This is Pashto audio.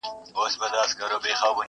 دودونه بايد بدل سي ژر.